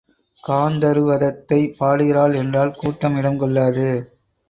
காந்தருவதத்தை பாடுகிறாள் என்றால் கூட்டம் இடம் கொள்ளாது.